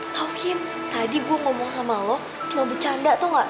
tau kim tadi gue ngomong sama lo cuma bercanda tau gak